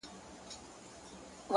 علم د عقل او شعور بنسټ دی.